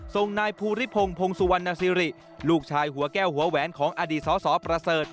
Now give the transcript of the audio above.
ส่งนายภูริพงพงสุวรรณสิริลูกชายหัวแก้วหัวแหวนของอดีตสสประเสริฐ